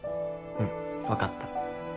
うん分かった。